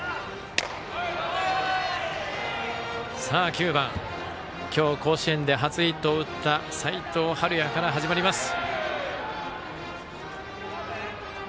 ９番、今日甲子園で初ヒットを打った齋藤敏哉から始まります。